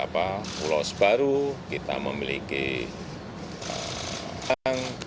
di pulau sebaru kita memiliki tanggung